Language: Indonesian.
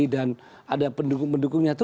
dan ada pendukung pendukungnya